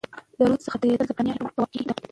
د رود څخه تیریدل د برتانوي هند په واک کي دي.